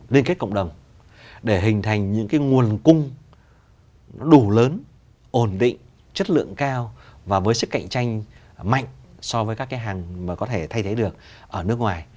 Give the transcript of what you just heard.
liên kết cộng đồng để hình thành những cái nguồn cung đủ lớn ổn định chất lượng cao và với sức cạnh tranh mạnh so với các cái hàng mà có thể thay thế được ở nước ngoài